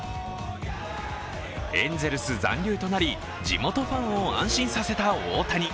エンゼルス残留となり地元ファンを安心させた大谷。